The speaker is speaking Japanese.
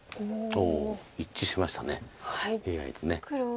おお一致しましたＡＩと。